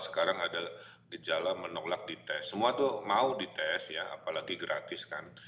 sekarang ada gejala menolak dites semua tuh mau dites ya apalagi gratis kan